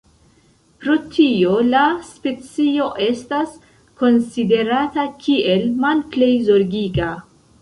Pro tio la specio estas konsiderata kiel "Malplej Zorgiga".